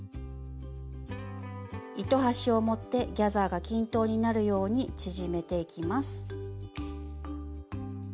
糸端を持ってギャザーが均等になるように縮めていきます。